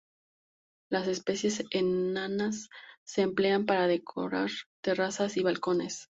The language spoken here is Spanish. Las especies enanas se emplean para decorar terrazas y balcones.